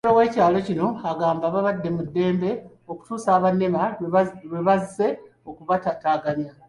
Ssentebe w'ekyalo kino agamba babadde mu ddembe okutuusa aba NEMA lwebazze okubataataaganya.